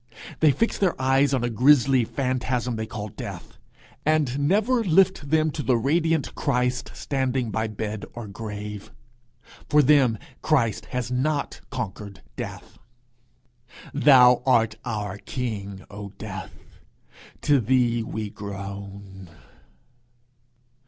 They fix their eyes on a grisly phantasm they call Death, and never lift them to the radiant Christ standing by bed or grave! For them Christ has not conquered Death: Thou art our king, O Death! to thee we groan!